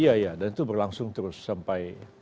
iya iya dan itu berlangsung terus sampai